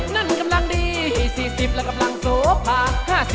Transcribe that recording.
นั่นกำลังดี๔๐และกำลังโสภา